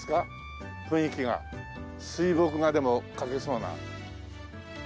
雰囲気が水墨画でも描けそうな。